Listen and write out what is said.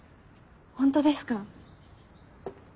ホントですか？